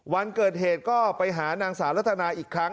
วันเกิดเหตุก็ไปหานางสาวรัฐนาอีกครั้ง